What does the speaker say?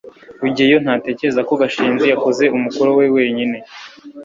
rugeyo ntatekereza ko gashinzi yakoze umukoro we wenyine